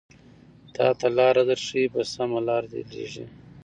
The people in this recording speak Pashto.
تاته لاره درښايې په سمه لاره دې ليږي